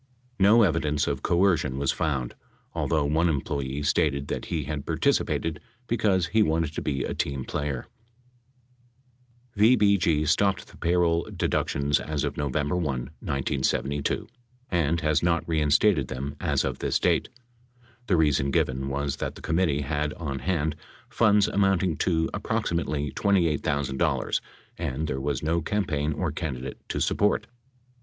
No evidence of coercion was found, although one em ployee stated that he had participated because he wanted to be a team player. VBG stopped the payroll deductions as of November 1, 1972, and has not reinstated them as of this date. The reason given was that the committee had on hand funds amounting to approximately $28,000, and there was no campaign or candidate to support.